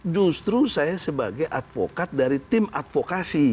justru saya sebagai advokat dari tim advokasi